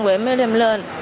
vậy em mới đem lên